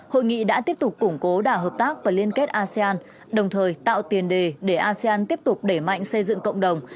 hội nghị đã tiếp tục củng cố đà hợp tác và liên kết asean đồng thời tạo tiền đề để asean tiếp tục đẩy mạnh xây dựng cộng đồng